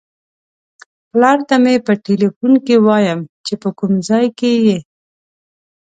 پلار ته مې په ټیلیفون کې وایم چې په کوم ځای کې یې.